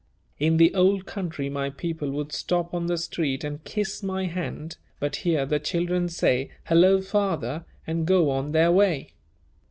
In the old country my people would stop on the street and kiss my hand, but here the children say, 'Hello, Father,' and go on their way."